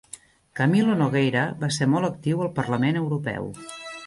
Camilo Nogueira va ser molt actiu al Parlament Europeu.